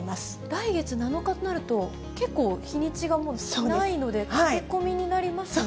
来月７日となると、結構日にちがもう、ないので駆け込みになりますよね。